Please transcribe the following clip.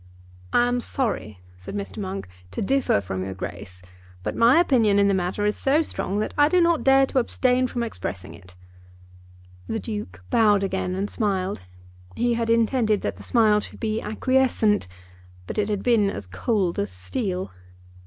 "I am sorry," said Mr. Monk, "to differ from your Grace, but my opinion in the matter is so strong that I do not dare to abstain from expressing it." The Duke bowed again and smiled. He had intended that the smile should be acquiescent, but it had been as cold as steel.